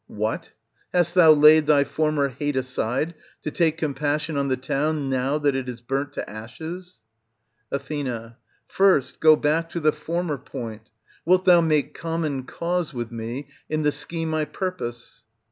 What ! hast thou laid thy former hate aside to take compassion on the town now that it is burnt to ashes ? Ath. First go back to the former point ; wilt thou mak^ common cause with me in the scheme I purpose